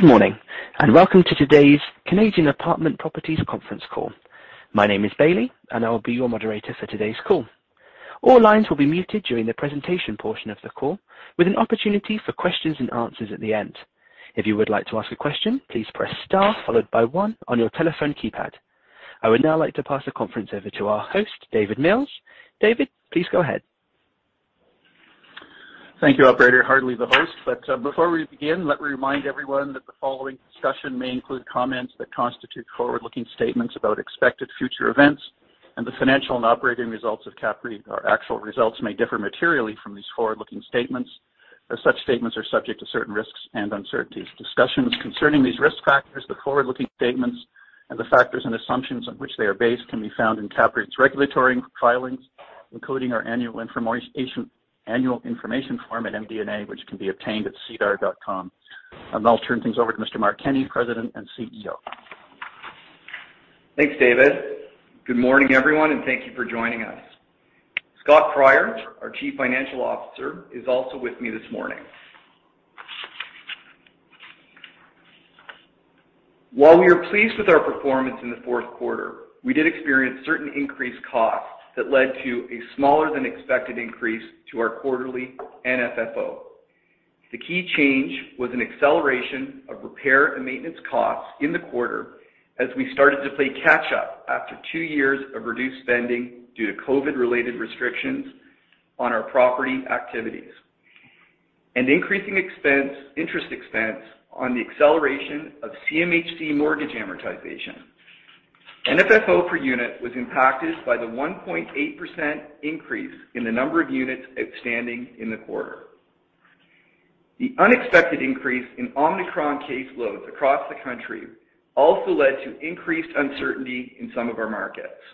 Good morning, and welcome to today's Canadian Apartment Properties Conference Call. My name is Bailey, and I will be your moderator for today's call. All lines will be muted during the presentation portion of the call, with an opportunity for questions and answers at the end. If you would like to ask a question, please press star followed by one on your telephone keypad. I would now like to pass the conference over to our host, David Mills. David, please go ahead. Thank you, operator. Hardly the host, but before we begin, let me remind everyone that the following discussion may include comments that constitute forward-looking statements about expected future events and the financial and operating results of CAPREIT. Our actual results may differ materially from these forward-looking statements, as such statements are subject to certain risks and uncertainties. Discussions concerning these risk factors, the forward-looking statements, and the factors and assumptions on which they are based can be found in CAPREIT's regulatory filings, including our annual information form at MD&A, which can be obtained at sedar.com. I'll turn things over to Mr. Mark Kenney, President and CEO. Thanks, David. Good morning, everyone, and thank you for joining us. Scott Cryer, our Chief Financial Officer, is also with me this morning. While we are pleased with our performance in the fourth quarter, we did experience certain increased costs that led to a smaller than expected increase to our quarterly NFFO. The key change was an acceleration of repair and maintenance costs in the quarter as we started to play catch up after two years of reduced spending due to COVID-related restrictions on our property activities. Increasing expense, interest expense on the acceleration of CMHC mortgage amortization. NFFO per unit was impacted by the 1.8% increase in the number of units outstanding in the quarter. The unexpected increase in Omicron caseloads across the country also led to increased uncertainty in some of our markets.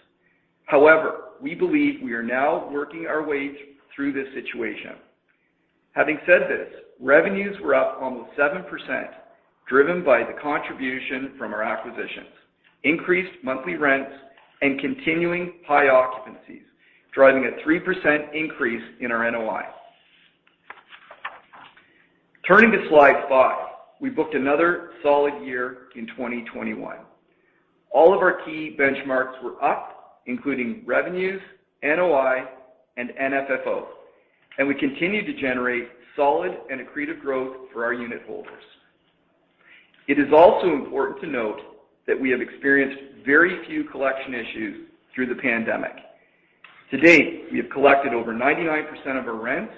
However, we believe we are now working our way through this situation. Having said this, revenues were up almost 7%, driven by the contribution from our acquisitions, increased monthly rents and continuing high occupancies, driving a 3% increase in our NOI. Turning to slide 5, we booked another solid year in 2021. All of our key benchmarks were up, including revenues, NOI, and NFFO, and we continued to generate solid and accretive growth for our unitholders. It is also important to note that we have experienced very few collection issues through the pandemic. To date, we have collected over 99% of our rents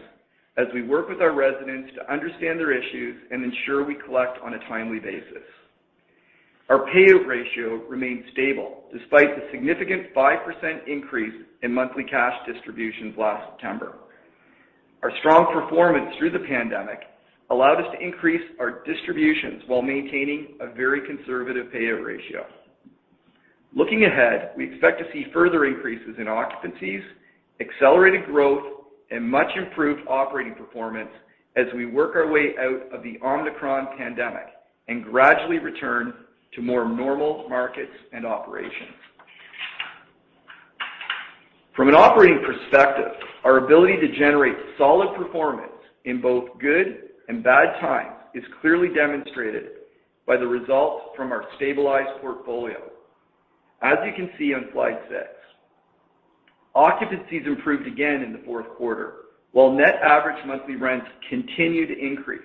as we work with our residents to understand their issues and ensure we collect on a timely basis. Our payout ratio remained stable despite the significant 5% increase in monthly cash distributions last September. Our strong performance through the pandemic allowed us to increase our distributions while maintaining a very conservative payout ratio. Looking ahead, we expect to see further increases in occupancies, accelerated growth, and much improved operating performance as we work our way out of the Omicron pandemic and gradually return to more normal markets and operations. From an operating perspective, our ability to generate solid performance in both good and bad times is clearly demonstrated by the results from our stabilized portfolio as you can see on slide six. Occupancies improved again in the fourth quarter, while net average monthly rents continued to increase.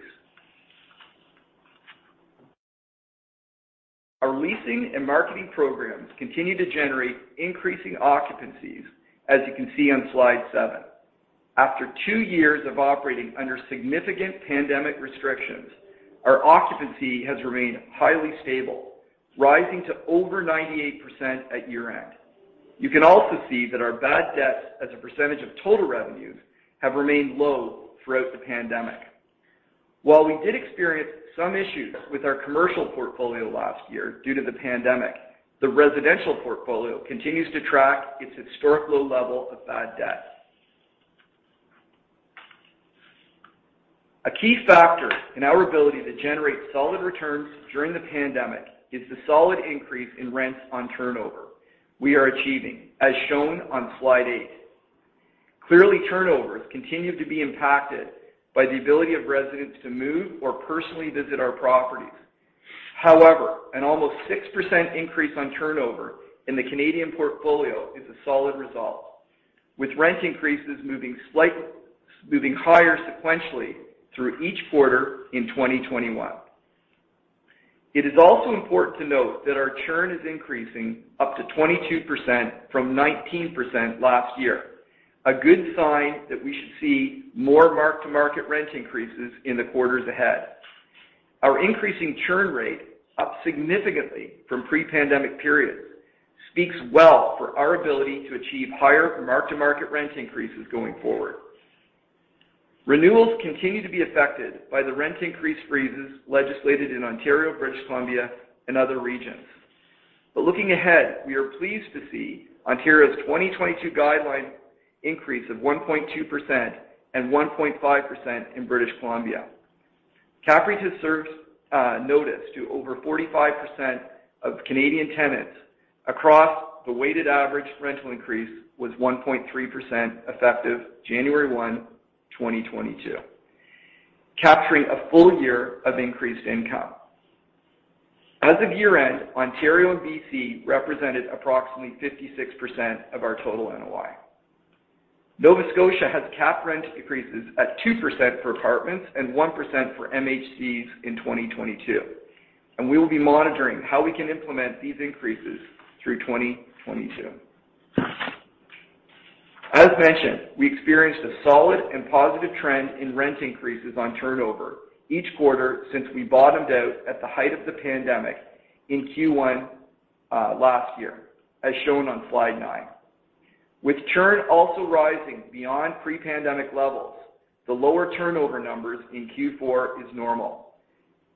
Our leasing and marketing programs continue to generate increasing occupancies, as you can see on slide seven. After two years of operating under significant pandemic restrictions, our occupancy has remained highly stable, rising to over 98% at year-end. You can also see that our bad debts as a percentage of total revenues have remained low throughout the pandemic. While we did experience some issues with our commercial portfolio last year due to the pandemic, the residential portfolio continues to track its historic low level of bad debt. A key factor in our ability to generate solid returns during the pandemic is the solid increase in rents on turnover we are achieving, as shown on slide eight. Clearly, turnovers continue to be impacted by the ability of residents to move or personally visit our properties. However, an almost 6% increase on turnover in the Canadian portfolio is a solid result, with rent increases moving higher sequentially through each quarter in 2021. It is also important to note that our churn is increasing up to 22% from 19% last year, a good sign that we should see more mark-to-market rent increases in the quarters ahead. Our increasing churn rate, up significantly from pre-pandemic periods, speaks well for our ability to achieve higher mark-to-market rent increases going forward. Renewals continue to be affected by the rent increase freezes legislated in Ontario, British Columbia, and other regions. Looking ahead, we are pleased to see Ontario's 2022 guideline increase of 1.2% and 1.5% in British Columbia. CAPREIT has served notice to over 45% of Canadian tenants. The weighted average rental increase was 1.3% effective January 1, 2022, capturing a full year of increased income. As of year-end, Ontario and BC represented approximately 56% of our total NOI. Nova Scotia has capped rent increases at 2% for apartments and 1% for MHCs in 2022, and we will be monitoring how we can implement these increases through 2022. As mentioned, we experienced a solid and positive trend in rent increases on turnover each quarter since we bottomed out at the height of the pandemic in Q1 last year, as shown on slide 9. With churn also rising beyond pre-pandemic levels, the lower turnover numbers in Q4 is normal.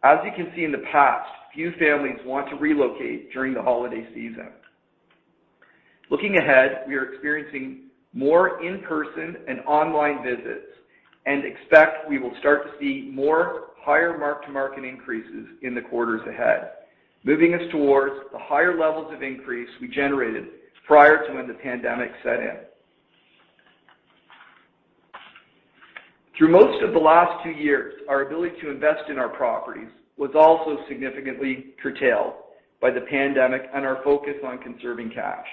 As you can see in the past, few families want to relocate during the holiday season. Looking ahead, we are experiencing more in-person and online visits, and expect we will start to see more higher mark-to-market increases in the quarters ahead, moving us towards the higher levels of increase we generated prior to when the pandemic set in. Through most of the last two years, our ability to invest in our properties was also significantly curtailed by the pandemic and our focus on conserving cash.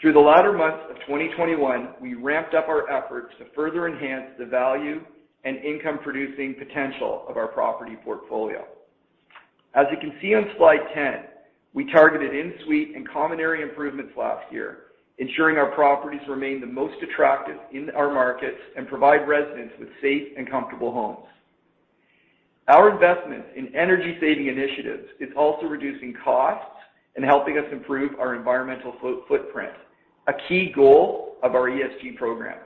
Through the latter months of 2021, we ramped up our efforts to further enhance the value and income-producing potential of our property portfolio. As you can see on slide 10, we targeted in-suite and common area improvements last year, ensuring our properties remain the most attractive in our markets and provide residents with safe and comfortable homes. Our investment in energy-saving initiatives is also reducing costs and helping us improve our environmental footprint, a key goal of our ESG program.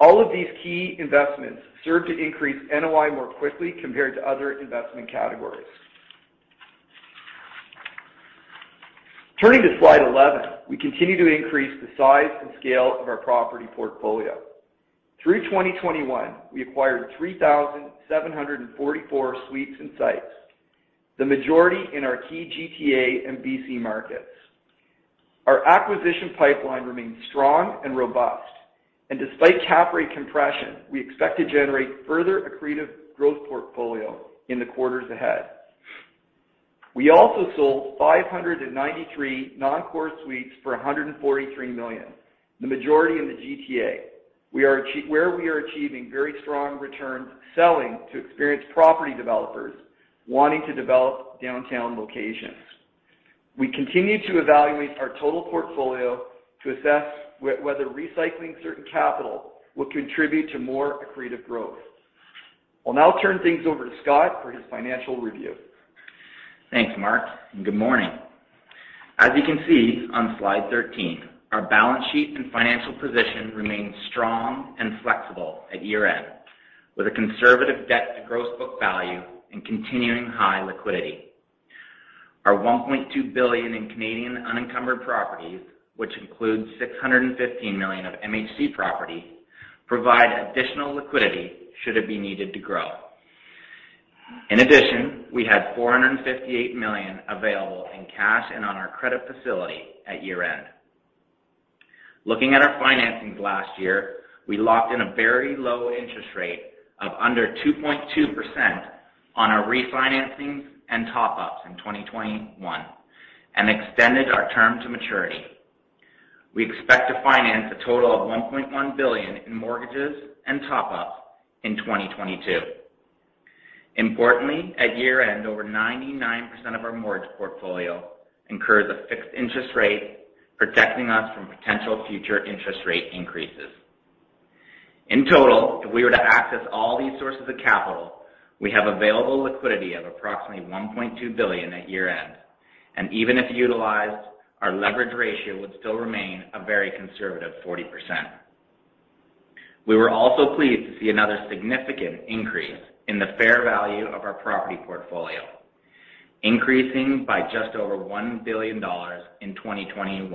All of these key investments serve to increase NOI more quickly compared to other investment categories. Turning to slide 11, we continue to increase the size and scale of our property portfolio. Through 2021, we acquired 3,744 suites and sites, the majority in our key GTA and BC markets. Our acquisition pipeline remains strong and robust. Despite cap rate compression, we expect to generate further accretive growth portfolio in the quarters ahead. We also sold 593 non-core suites for 143 million, the majority in the GTA. We are achieving very strong returns selling to experienced property developers wanting to develop downtown locations. We continue to evaluate our total portfolio to assess whether recycling certain capital will contribute to more accretive growth. I'll now turn things over to Scott for his financial review. Thanks, Mark, and good morning. As you can see on slide 13, our balance sheet and financial position remained strong and flexible at year-end, with a conservative debt to gross book value and continuing high liquidity. Our 1.2 billion in Canadian unencumbered properties, which includes 615 million of MHC property, provide additional liquidity should it be needed to grow. In addition, we had 458 million available in cash and on our credit facility at year-end. Looking at our financings last year, we locked in a very low interest rate of under 2.2% on our refinancing and top-ups in 2021, and extended our term to maturity. We expect to finance a total of 1.1 billion in mortgages and top-ups in 2022. Importantly, at year-end, over 99% of our mortgage portfolio incurs a fixed interest rate, protecting us from potential future interest rate increases. In total, if we were to access all these sources of capital, we have available liquidity of approximately 1.2 billion at year-end, and even if utilized, our leverage ratio would still remain a very conservative 40%. We were also pleased to see another significant increase in the fair value of our property portfolio, increasing by just over 1 billion dollars in 2021,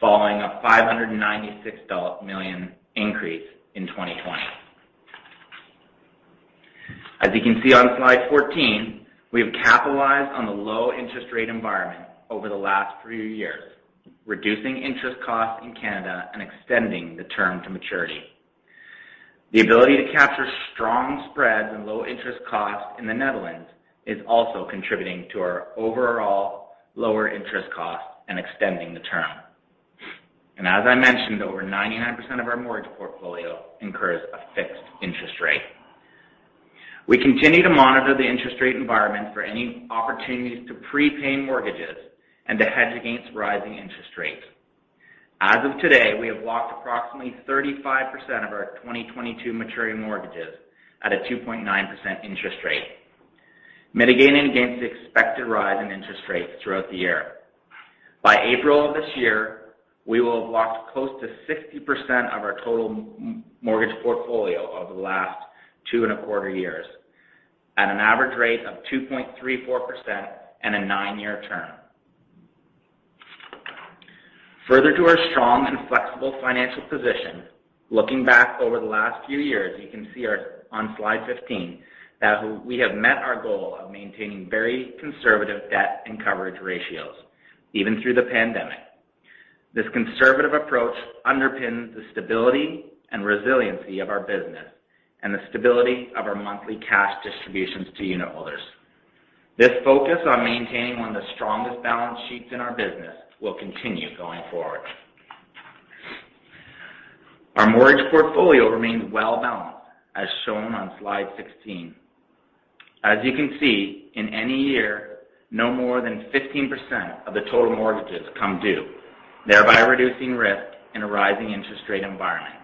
following a 596 million dollar increase in 2020. As you can see on slide 14, we have capitalized on the low interest rate environment over the last few years, reducing interest costs in Canada and extending the term to maturity. The ability to capture strong spreads and low interest costs in the Netherlands is also contributing to our overall lower interest costs and extending the term. As I mentioned, over 99% of our mortgage portfolio incurs a fixed interest rate. We continue to monitor the interest rate environment for any opportunities to prepay mortgages and to hedge against rising interest rates. As of today, we have locked approximately 35% of our 2022 maturing mortgages at a 2.9% interest rate, mitigating against the expected rise in interest rates throughout the year. By April of this year, we will have locked close to 60% of our total mortgage portfolio over the last 2.25 years at an average rate of 2.34% and a 9-year term. Further to our strong and flexible financial position, looking back over the last few years, you can see our, on slide 15 that we have met our goal of maintaining very conservative debt and coverage ratios, even through the pandemic. This conservative approach underpins the stability and resiliency of our business and the stability of our monthly cash distributions to unitholders. This focus on maintaining one of the strongest balance sheets in our business will continue going forward. Our mortgage portfolio remains well balanced, as shown on slide 16. As you can see, in any year, no more than 15% of the total mortgages come due, thereby reducing risk in a rising interest rate environment.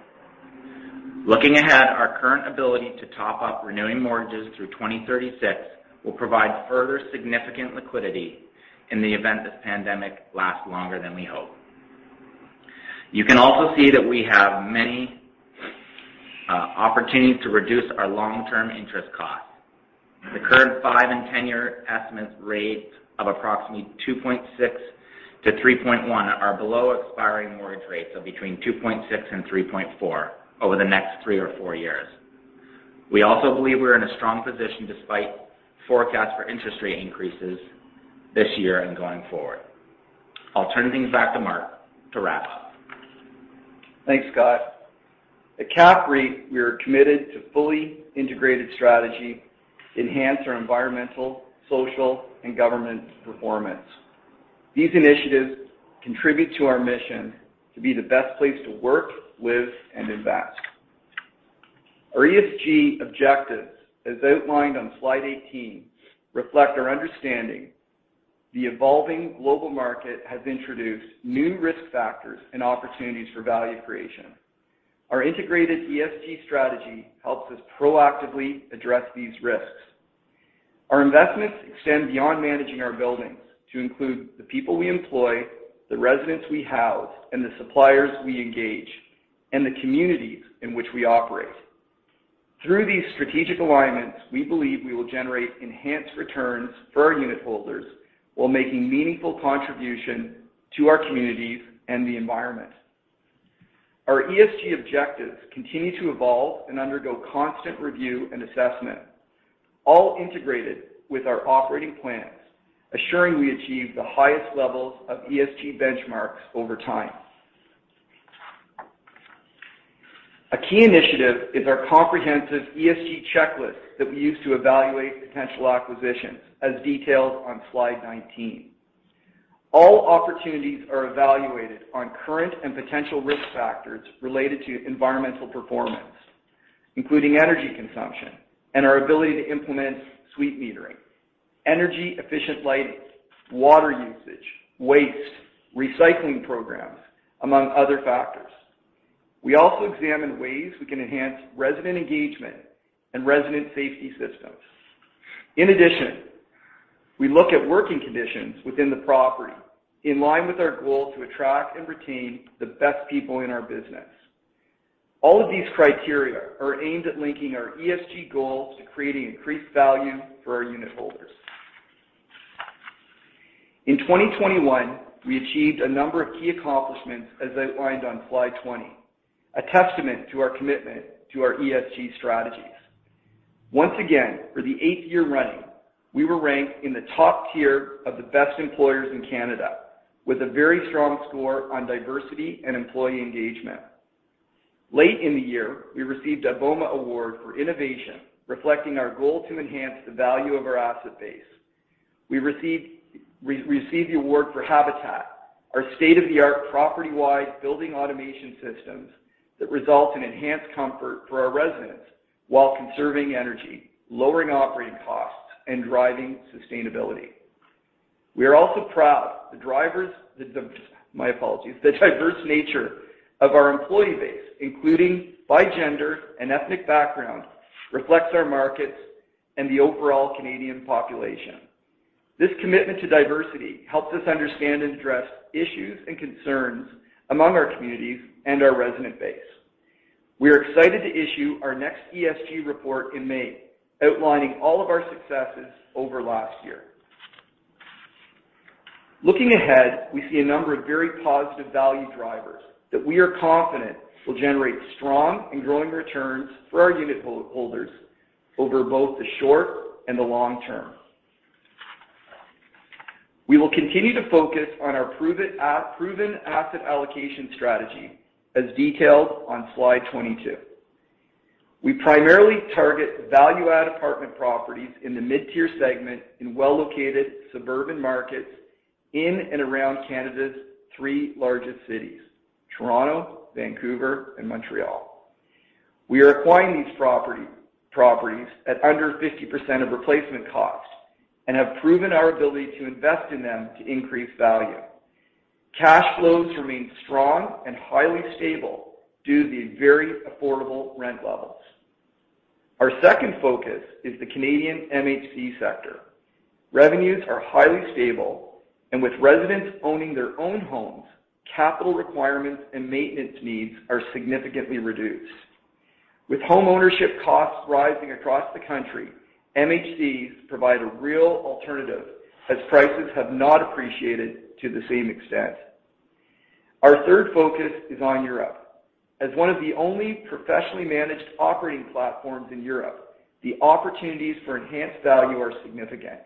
Looking ahead, our current ability to top up renewing mortgages through 2036 will provide further significant liquidity in the event this pandemic lasts longer than we hope. You can also see that we have many opportunities to reduce our long-term interest costs. The current five- and 10-year estimated rates of approximately 2.6%-3.1% are below expiring mortgage rates of between 2.6% and 3.4% over the next three or four years. We also believe we're in a strong position despite forecasts for interest rate increases this year and going forward. I'll turn things back to Mark to wrap up. Thanks, Scott. At CAPREIT, we are committed to a fully integrated strategy to enhance our environmental, social, and governance performance. These initiatives contribute to our mission to be the best place to work, live, and invest. Our ESG objectives, as outlined on slide 18, reflect our understanding that the evolving global market has introduced new risk factors and opportunities for value creation. Our integrated ESG strategy helps us proactively address these risks. Our investments extend beyond managing our buildings to include the people we employ, the residents we house, and the suppliers we engage, and the communities in which we operate. Through these strategic alignments, we believe we will generate enhanced returns for our unitholders while making a meaningful contribution to our communities and the environment. Our ESG objectives continue to evolve and undergo constant review and assessment, all integrated with our operating plans, assuring we achieve the highest levels of ESG benchmarks over time. A key initiative is our comprehensive ESG checklist that we use to evaluate potential acquisitions, as detailed on slide 19. All opportunities are evaluated on current and potential risk factors related to environmental performance, including energy consumption and our ability to implement suite metering, energy-efficient lighting, water usage, waste, recycling programs, among other factors. We also examine ways we can enhance resident engagement and resident safety systems. In addition, we look at working conditions within the property in line with our goal to attract and retain the best people in our business. All of these criteria are aimed at linking our ESG goals to creating increased value for our unitholders. In 2021, we achieved a number of key accomplishments, as outlined on slide 20, a testament to our commitment to our ESG strategies. Once again, for the eighth year running, we were ranked in the top tier of the best employers in Canada with a very strong score on diversity and employee engagement. Late in the year, we received a BOMA Award for innovation, reflecting our goal to enhance the value of our asset base. We received the award for Habitat, our state-of-the-art property-wide building automation systems that result in enhanced comfort for our residents while conserving energy, lowering operating costs, and driving sustainability. We are also proud. The diverse nature of our employee base, including by gender and ethnic background, reflects our markets and the overall Canadian population. This commitment to diversity helps us understand and address issues and concerns among our communities and our resident base. We are excited to issue our next ESG report in May, outlining all of our successes over last year. Looking ahead, we see a number of very positive value drivers that we are confident will generate strong and growing returns for our unitholders over both the short and the long term. We will continue to focus on our proven asset allocation strategy, as detailed on slide 22. We primarily target value-add apartment properties in the mid-tier segment in well-located suburban markets in and around Canada's three largest cities, Toronto, Vancouver, and Montreal. We are acquiring these properties at under 50% of replacement costs and have proven our ability to invest in them to increase value. Cash flows remain strong and highly stable due to the very affordable rent levels. Our second focus is the Canadian MHC sector. Revenues are highly stable, and with residents owning their own homes, capital requirements and maintenance needs are significantly reduced. With home ownership costs rising across the country, MHCs provide a real alternative as prices have not appreciated to the same extent. Our third focus is on Europe. As one of the only professionally managed operating platforms in Europe, the opportunities for enhanced value are significant.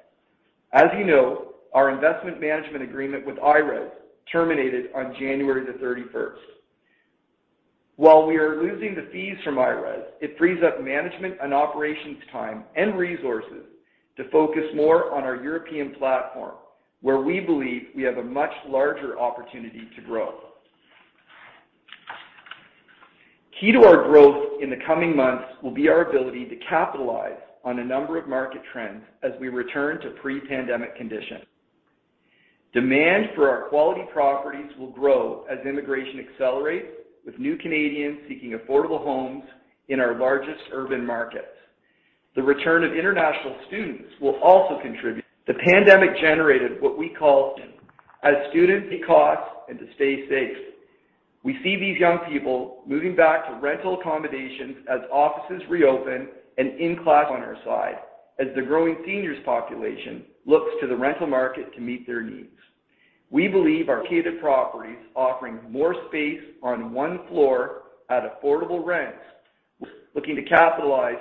As you know, our investment management agreement with IRES terminated on January the thirty-first. While we are losing the fees from IRES, it frees up management and operations time and resources to focus more on our European platform, where we believe we have a much larger opportunity to grow. Key to our growth in the coming months will be our ability to capitalize on a number of market trends as we return to pre-pandemic conditions. Demand for our quality properties will grow as immigration accelerates, with new Canadians seeking affordable homes in our largest urban markets. The return of international students will also contribute. The pandemic generated what we call student costs and to stay safe. We see these young people moving back to rental accommodations as offices reopen. On our side, as the growing seniors population looks to the rental market to meet their needs. We believe our catered properties offering more space on one floor at affordable rents. Looking to capitalize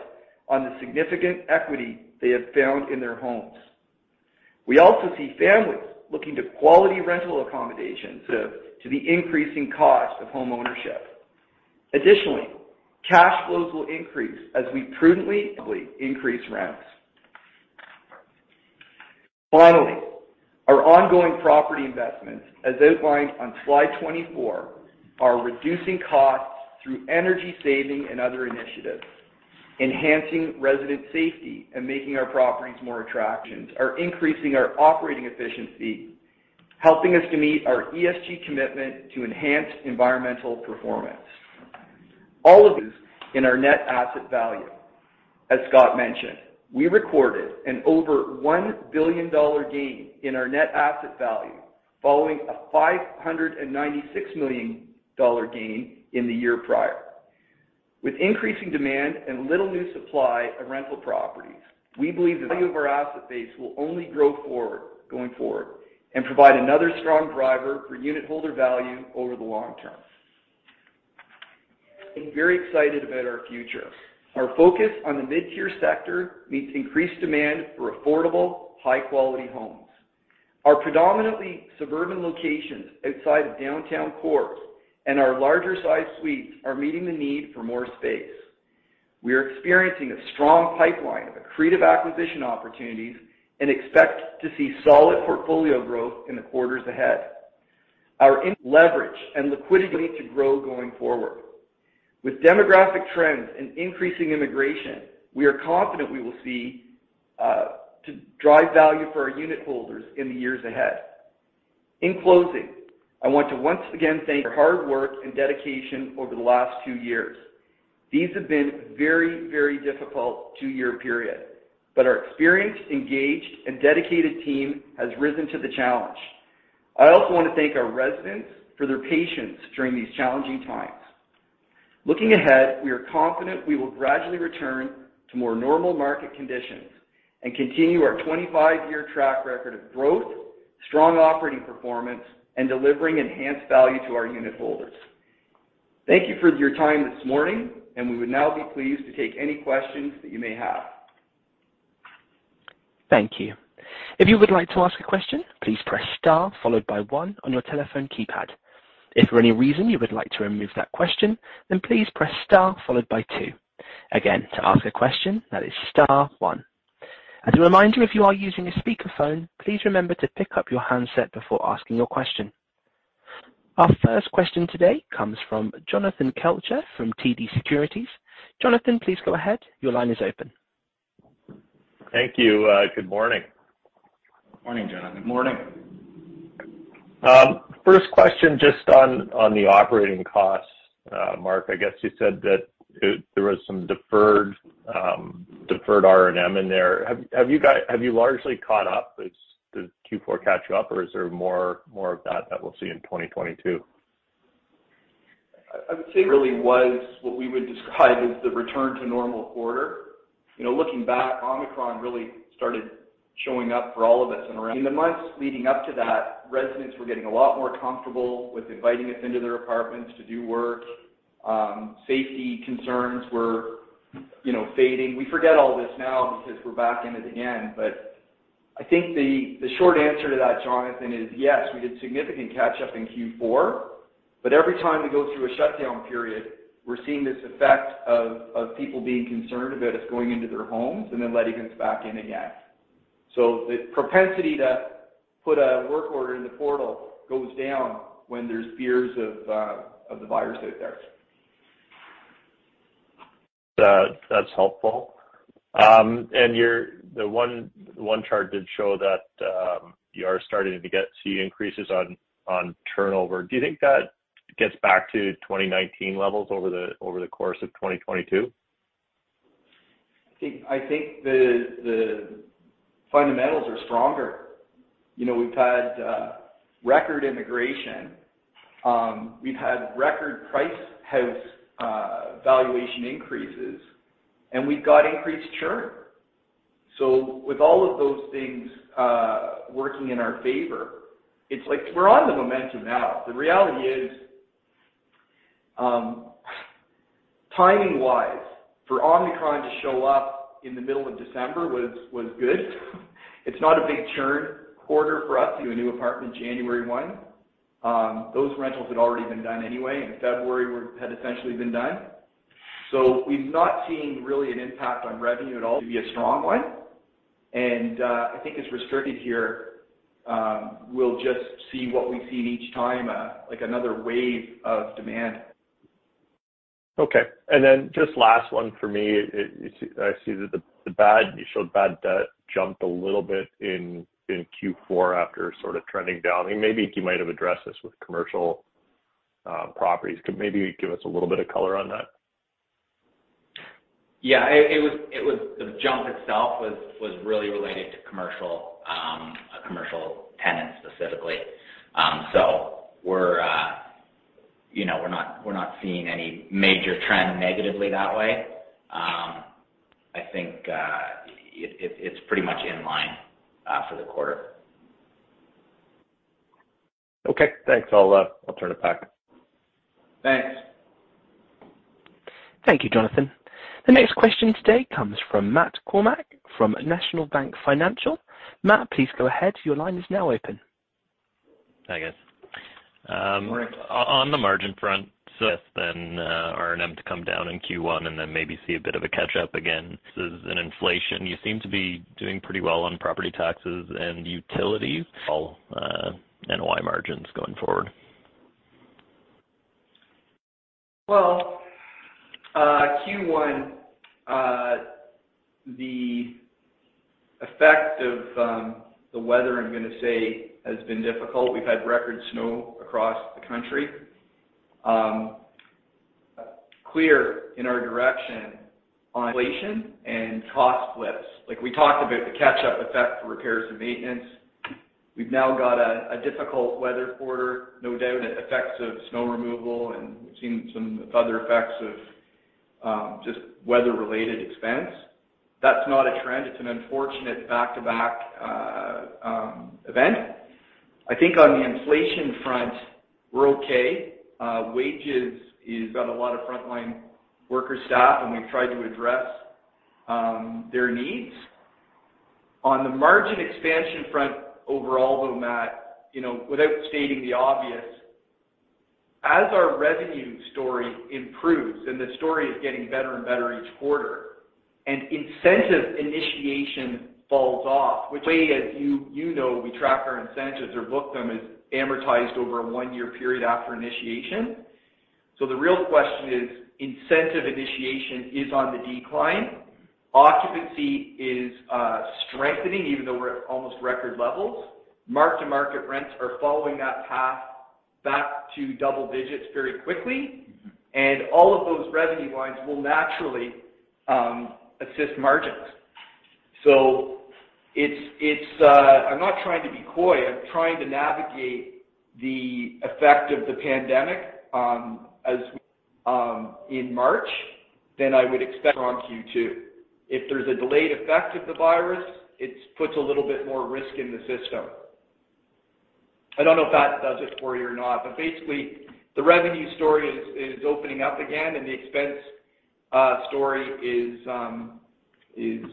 on the significant equity they have in their homes. We also see families looking to quality rental accommodations due to the increasing cost of homeownership. Additionally, cash flows will increase as we prudently increase rents. Finally, our ongoing property investments, as outlined on slide 24, are reducing costs through energy saving and other initiatives, enhancing resident safety, and making our properties more attractive and are increasing our operating efficiency, helping us to meet our ESG commitment to enhance environmental performance. All of this in our net asset value. As Scott mentioned, we recorded an over 1 billion dollar gain in our net asset value, following a 596 million dollar gain in the year prior. With increasing demand and little new supply of rental properties, we believe the value of our asset base will only grow going forward and provide another strong driver for unitholder value over the long term. I'm very excited about our future. Our focus on the mid-tier sector meets increased demand for affordable, high-quality homes. Our predominantly suburban locations outside of downtown cores and our larger size suites are meeting the need for more space. We are experiencing a strong pipeline of accretive acquisition opportunities and expect to see solid portfolio growth in the quarters ahead. Our leverage and liquidity to grow going forward. With demographic trends and increasing immigration, we are confident we will see to drive value for our unit holders in the years ahead. In closing, I want to once again thank your hard work and dedication over the last two years. These have been very, very difficult two-year period, but our experienced, engaged, and dedicated team has risen to the challenge. I also want to thank our residents for their patience during these challenging times. Looking ahead, we are confident we will gradually return to more normal market conditions and continue our 25-year track record of growth, strong operating performance, and delivering enhanced value to our unit holders. Thank you for your time this morning, and we would now be pleased to take any questions that you may have. Thank you. If you would like to ask a question, please press star followed by one on your telephone keypad. If for any reason you would like to remove that question, then please press star followed by two. Again, to ask a question, that is star one. As a reminder, if you are using a speakerphone, please remember to pick up your handset before asking your question. Our first question today comes from Jonathan Kelcher from TD Securities. Jonathan, please go ahead. Your line is open. Thank you. Good morning. Morning, Jonathan. Morning. First question just on the operating costs. Mark, I guess you said that there was some deferred R&M in there. Have you largely caught up with the Q4 catch-up, or is there more of that that we'll see in 2022? I would say really was what we would describe as the return to normal quarter. You know, looking back, Omicron really started showing up for all of us. In the months leading up to that, residents were getting a lot more comfortable with inviting us into their apartments to do work. Safety concerns were, you know, fading. We forget all this now because we're back in it again. I think the short answer to that, Jonathan, is yes, we did significant catch up in Q4, but every time we go through a shutdown period, we're seeing this effect of people being concerned about us going into their homes and then letting us back in again. The propensity to put a work order in the portal goes down when there's fears of the virus out there. That's helpful. The one chart did show that you are starting to see increases on turnover. Do you think that gets back to 2019 levels over the course of 2022? I think the fundamentals are stronger. You know, we've had record immigration. We've had record house price valuation increases, and we've got increased churn. With all of those things working in our favor, it's like we're on the momentum now. The reality is, timing wise for Omicron to show up in the middle of December was good. It's not a big churn quarter for us, the new year January one. Those rentals had already been done anyway, and February had essentially been done. We've not seen really an impact on revenue at all to be a strong one. I think it's restricted here. We'll just see what we see each time, like another wave of demand. Okay. Just last one for me. I see that you showed bad debt jumped a little bit in Q4 after sort of trending down. Maybe you might have addressed this with commercial properties. Could maybe give us a little bit of color on that. Yeah. The jump itself was really related to commercial, a commercial tenant specifically. So, you know, we're not seeing any major trend negatively that way. I think it's pretty much in line for the quarter. Okay, thanks. I'll turn it back. Thanks. Thank you, Jonathan. The next question today comes from Matt Kornack, from National Bank Financial. Matt, please go ahead. Your line is now open. Hi, guys. Morning. On the margin front, R&M to come down in Q1 and then maybe see a bit of a catch up again. This is inflation. You seem to be doing pretty well on property taxes and utilities. All NOI margins going forward. Well, Q1, the effect of the weather I'm gonna say, has been difficult. We've had record snow across the country. We're clear in our direction on inflation and cost lifts. Like we talked about the catch-up effect for repairs and maintenance. We've now got a difficult weather quarter, no doubt it effects of snow removal, and we've seen some other effects of just weather-related expense. That's not a trend, it's an unfortunate back-to-back event. I think on the inflation front, we're okay. Wages, we've got a lot of frontline worker staff, and we've tried to address their needs. On the margin expansion front overall, though, Matt, you know, without stating the obvious, as our revenue story improves and the story is getting better and better each quarter, and incentive initiation falls off, which is, as you know, we track our incentives or book them is amortized over a one-year period after initiation. The real question is, incentive initiation is on the decline. Occupancy is strengthening even though we're at almost record levels. Mark-to-market rents are following that path back to double digits very quickly. All of those revenue lines will naturally assist margins. It's I'm not trying to be coy, I'm trying to navigate the effect of the pandemic as in March, then I would expect on Q2. If there's a delayed effect of the virus, it puts a little bit more risk in the system. I don't know if that does it for you or not, but basically the revenue story is opening up again and the expense story is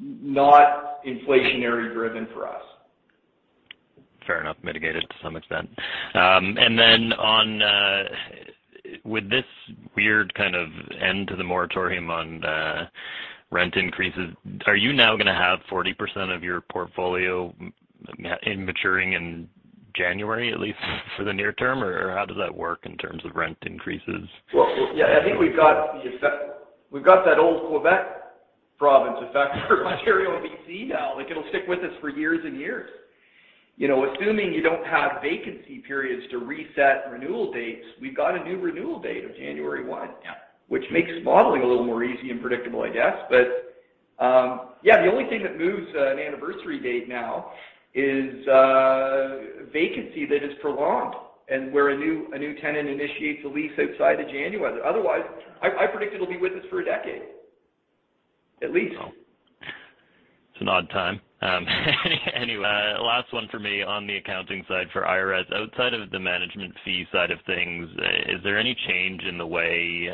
not inflationary driven for us. Fair enough. Mitigated to some extent. With this weird kind of end to the moratorium on rent increases, are you now gonna have 40% of your portfolio maturing in January, at least for the near term? Or how does that work in terms of rent increases? Well, yeah, I think we've got the effect. We've got that old Quebec province effect for Ontario and B.C. now. Like, it'll stick with us for years and years. You know, assuming you don't have vacancy periods to reset renewal dates, we've got a new renewal date of January one. Yeah. Which makes modeling a little more easy and predictable, I guess. Yeah, the only thing that moves an anniversary date now is vacancy that is prolonged and where a new tenant initiates a lease outside of January. Otherwise, I predict it'll be with us for a decade, at least. It's an odd time. Anyway, last one for me on the accounting side for IRES. Outside of the management fee side of things, is there any change in the way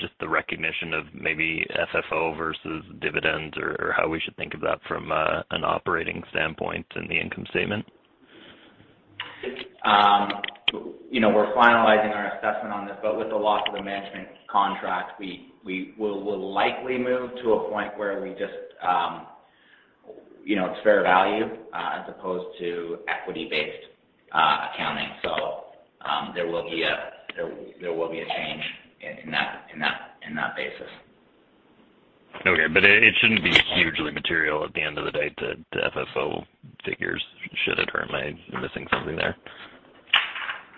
just the recognition of maybe FFO versus dividends or how we should think of that from an operating standpoint in the income statement? You know, we're finalizing our assessment on this, but with the loss of a management contract, we will likely move to a point where we just, you know, it's fair value as opposed to equity-based accounting. There will be a change in that basis. Okay. It shouldn't be hugely material at the end of the day to FFO figures?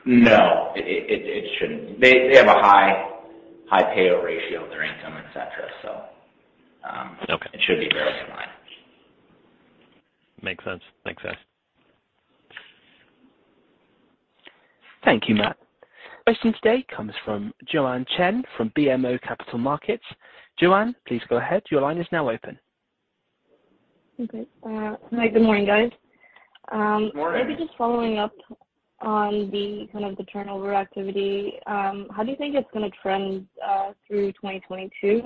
No, it shouldn't. They have a high payout ratio of their income, et cetera, so Okay It should be fairly in line. Makes sense. Makes sense. Thank you, Matt. Question today comes from Joanne Chen from BMO Capital Markets. Joanne, please go ahead. Your line is now open. Okay. Good morning, guys. Morning. Maybe just following up on the kind of turnover activity. How do you think it's gonna trend through 2022?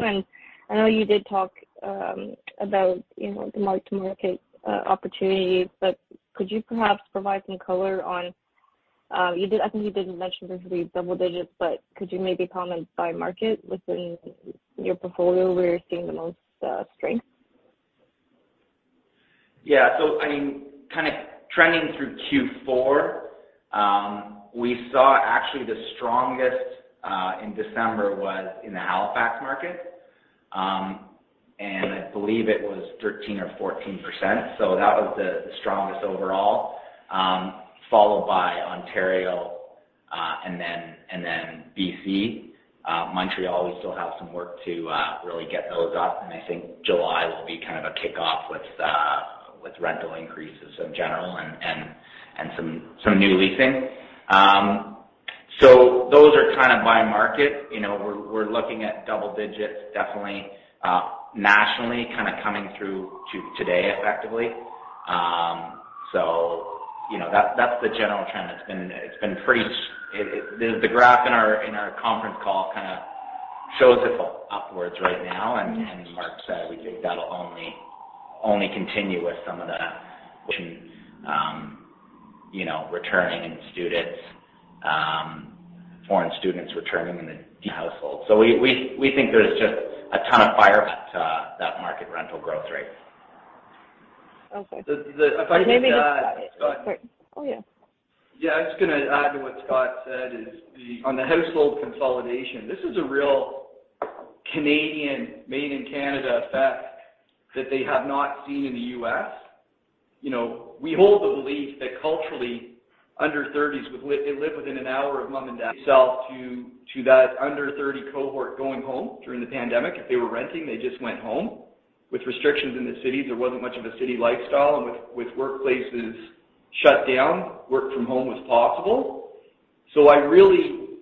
I know you did talk about, you know, the mark-to-market opportunities, but could you perhaps provide some color on. I think you did mention there could be double digits, but could you maybe comment by market within your portfolio where you're seeing the most strength? Yeah. I mean, kinda trending through Q4, we saw actually the strongest in December was in the Halifax market. I believe it was 13% or 14%, so that was the strongest overall, followed by Ontario, and then BC. Montreal, we still have some work to really get those up, and I think July will be kind of a kickoff with rental increases in general and some new leasing. Those are kind of by market. You know, we're looking at double digits definitely, nationally kinda coming through today effectively. You know, that's the general trend. It's been pretty strong. The graph in our conference call kinda shows it go upwards right now. Mark said we think that'll only continue with some of the, you know, returning students, foreign students returning in the household. We think there's just a ton of upside to that market rental growth rate. Okay. If I could just add. Maybe just Go ahead. Sorry. Oh, yeah. Yeah. I was gonna add to what Scott said. On the household consolidation, this is a real Canadian, made-in-Canada effect that they have not seen in the U.S. You know, we hold the belief that culturally under-30s live within an hour of mom and dad relating to that under-30 cohort going home during the pandemic. If they were renting, they just went home. With restrictions in the city, there wasn't much of a city lifestyle. With workplaces shut down, work from home was possible.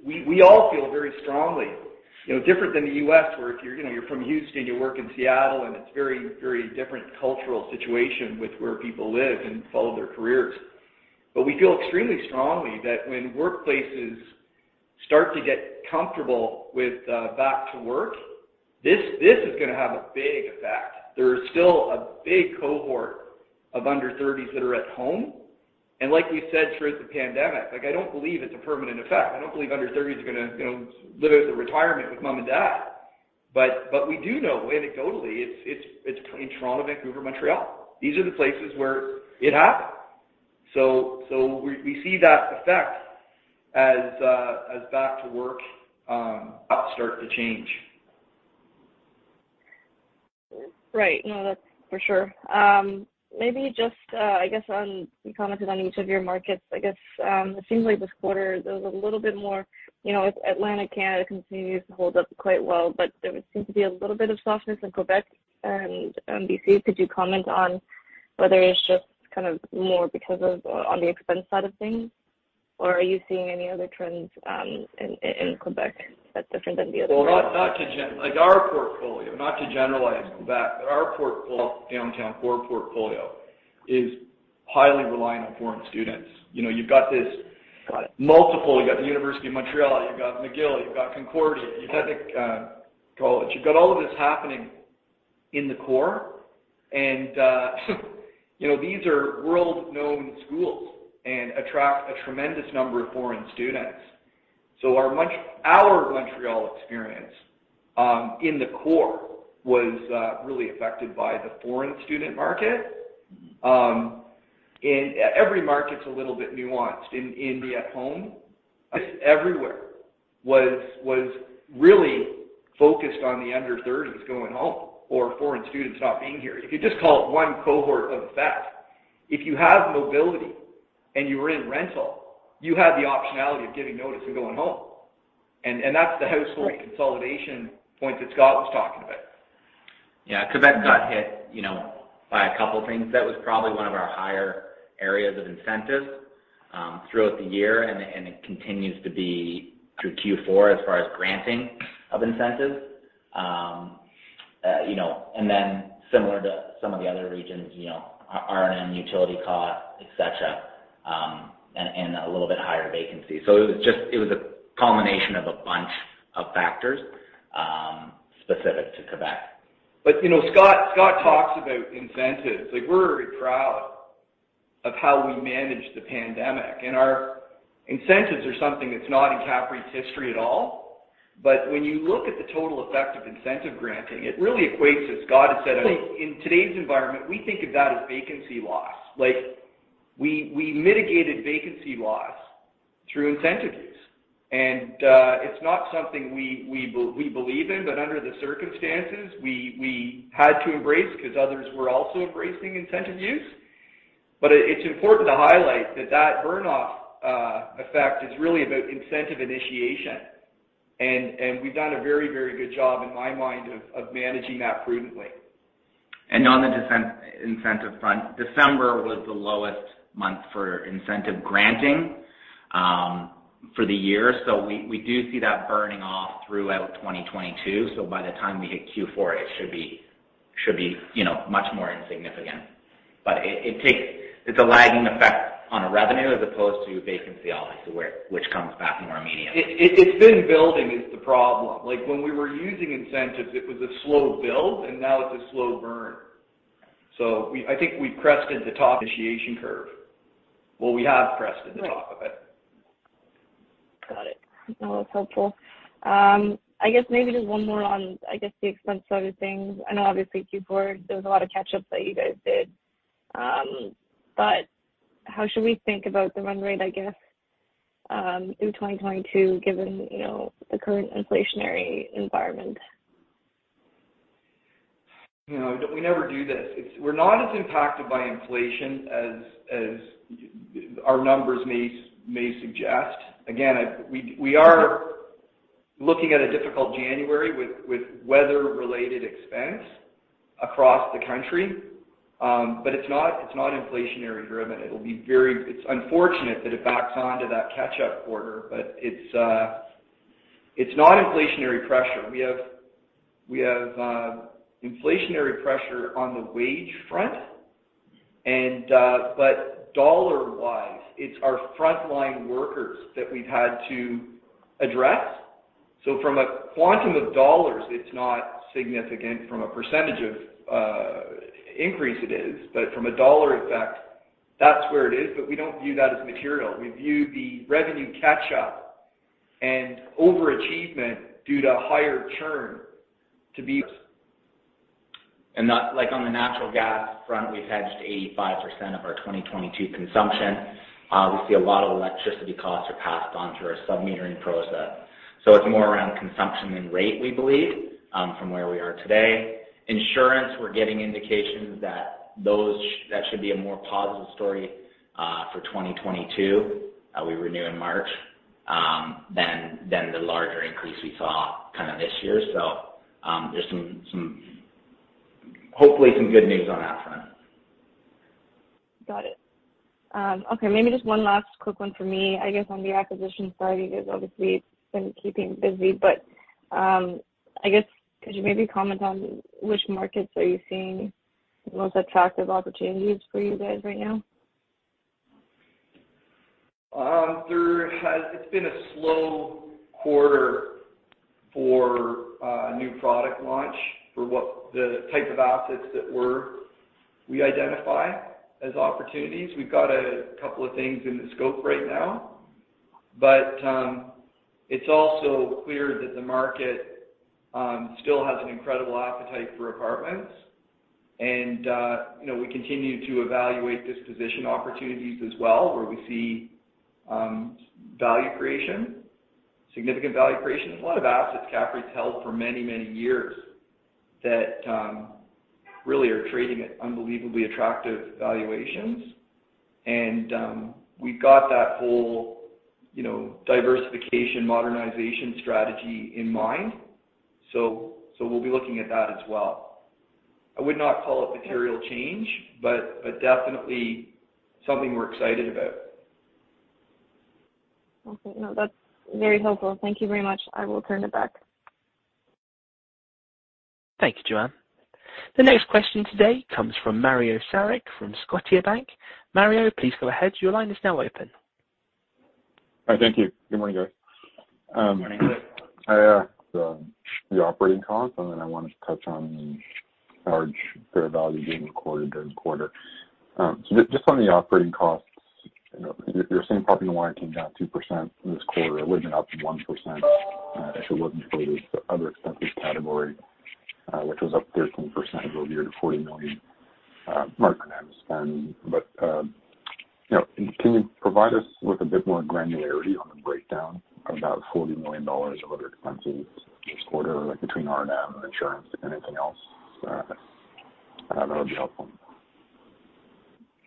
We all feel very strongly. You know, different than the U.S. where if you're, you know, you're from Houston, you work in Seattle, and it's very, very different cultural situation with where people live and follow their careers. We feel extremely strongly that when workplaces start to get comfortable with back to work, this is gonna have a big effect. There is still a big cohort of under thirties that are at home. Like we said throughout the pandemic, like, I don't believe it's a permanent effect. I don't believe under thirties are gonna, you know, live out their retirement with mom and dad. We do know anecdotally it's in Toronto, Vancouver, Montreal, these are the places where it happened. We see that effect as back to work starts to change. Right. No, that's for sure. Maybe just, I guess, you commented on each of your markets. I guess it seems like this quarter there was a little bit more. You know, Atlantic Canada continues to hold up quite well, but there would seem to be a little bit of softness in Quebec and B.C. Could you comment on whether it's just kind of more because of on the expense side of things, or are you seeing any other trends in Quebec that's different than the other markets? Like our portfolio, not to generalize Quebec, but our downtown core portfolio is highly reliant on foreign students. You know, you've got this multitude. You got the Université de Montréal, you've got McGill, you've got Concordia, you've got the college. You've got all of this happening in the core. You know, these are world-known schools and attract a tremendous number of foreign students. Our Montreal experience in the core was really affected by the foreign student market. Every market's a little bit nuanced. In the aftermath, everywhere was really focused on the under thirties going home or foreign students not being here. If you just call it one cohort of effect, if you have mobility and you were in rental, you had the optionality of giving notice and going home. That's the household consolidation point that Scott was talking about. Yeah. Quebec got hit, you know, by a couple things. That was probably one of our higher areas of incentive throughout the year, and it continues to be through Q4 as far as granting of incentives. You know, and then similar to some of the other regions, you know, R&M utility costs, et cetera, and a little bit higher vacancy. It was just a culmination of a bunch of factors specific to Quebec. You know, Scott talks about incentives. Like we're very proud of how we managed the pandemic. Our incentives are something that's not in CAPREIT's history at all. When you look at the total effect of incentive granting, it really equates, as Scott had said, in today's environment, we think of that as vacancy loss. Like we mitigated vacancy loss through incentive use. It's not something we believe in, but under the circumstances, we had to embrace because others were also embracing incentive use. It is important to highlight that burn off effect is really about incentive initiation. We've done a very good job in my mind of managing that prudently. On the defensive incentive front, December was the lowest month for incentive granting for the year. We do see that burning off throughout 2022. By the time we hit Q4, it should be, you know, much more insignificant. It takes. It's a lagging effect on revenue as opposed to vacancy offset, which comes back more immediately. It's been building, it's the problem. Like, when we were using incentives, it was a slow build, and now it's a slow burn. I think we've crested the top initiation curve. Well, we have crested the top of it. Right. Got it. Well, that's helpful. I guess maybe just one more on, I guess, the expense side of things. I know obviously Q4, there was a lot of catch-ups that you guys did. How should we think about the run rate, I guess, in 2022, given, you know, the current inflationary environment? You know, we never do this. We're not as impacted by inflation as our numbers may suggest. Again, we are looking at a difficult January with weather-related expense across the country, but it's not inflationary driven. It's unfortunate that it backs on to that catch-up quarter, but it's not inflationary pressure. We have inflationary pressure on the wage front. Dollar-wise, it's our frontline workers that we've had to address. From a quantum of dollars, it's not significant. From a percentage of increase, it is. From a dollar effect, that's where it is, but we don't view that as material. We view the revenue catch-up and overachievement due to higher churn to be- Like, on the natural gas front, we've hedged 85% of our 2022 consumption. We see a lot of electricity costs are passed on through our sub-metering process. It's more around consumption than rate, we believe, from where we are today. Insurance, we're getting indications that those should be a more positive story for 2022, we renew in March, than the larger increase we saw kind of this year. There's some hopefully good news on that front. Got it. Okay, maybe just one last quick one for me. I guess on the acquisition side, you guys obviously been keeping busy, but, I guess could you maybe comment on which markets are you seeing the most attractive opportunities for you guys right now? It's been a slow quarter for new product launch for the type of assets that we identify as opportunities. We've got a couple of things in the scope right now, but it's also clear that the market still has an incredible appetite for apartments. You know, we continue to evaluate disposition opportunities as well, where we see value creation, significant value creation. There's a lot of assets CAPREIT's held for many, many years that really are trading at unbelievably attractive valuations. We've got that whole, you know, diversification, modernization strategy in mind. We'll be looking at that as well. I would not call it material change, but definitely something we're excited about. Okay. No, that's very helpful. Thank you very much. I will turn it back. Thank you, Joanne. The next question today comes from Mario Saric from Scotiabank. Mario, please go ahead. Your line is now open. Hi. Thank you. Good morning, guys. Morning. Good. I wanted to touch on the operating costs and then the large fair value being recorded during the quarter. Just on the operating costs, you know, you're saying property value came down 2% this quarter. It would've been up 1%, if it wasn't for the other expenses category, which was up 13% year-over-year to CAD 40 million marked to net spend. You know, can you provide us with a bit more granularity on the breakdown of that 40 million dollars of other expenses this quarter, like between RM and insurance and anything else? That would be helpful.